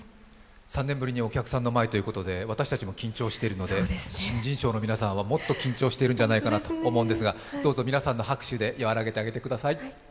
３年ぶりのお客さんの前ということで、私たちも緊張しているので新人賞の皆さんはもっと緊張してるんじゃないかなと思うんですがどうぞ皆さんの拍手で和らげてあげてください。